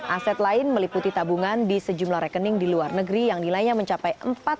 aset lain meliputi tabungan di sejumlah rekening di luar negeri yang nilainya mencapai